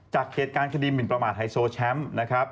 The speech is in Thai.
จากเหตุการณ์คดีหมินประมาทไฮโซแชมป์นะครับ